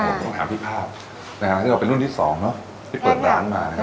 ผมต้องถามพี่ภาพที่เราเป็นรุ่นที่สองเนอะที่เปิดร้านมานะครับ